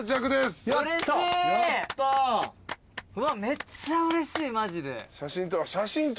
めっちゃうれしいマジで。